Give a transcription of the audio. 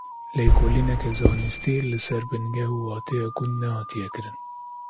Lêkolîneke zanistî li ser bingeh û wateya gund nehatiye kirin.